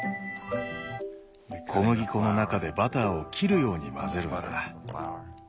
小麦粉の中でバターを切るように混ぜるんだ。